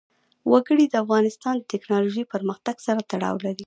وګړي د افغانستان د تکنالوژۍ پرمختګ سره تړاو لري.